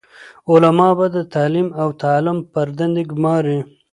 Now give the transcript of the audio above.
علماء به د تعليم او تعلم پر دندي ګماري،